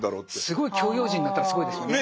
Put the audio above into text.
すごい教養人になったらすごいですよね。